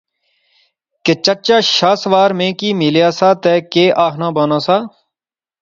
کہ چچا شاہ سوار میں کی ملیا سا تہ کہہ آخنا بانا سا